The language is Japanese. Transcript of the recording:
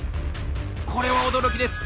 これは驚きです。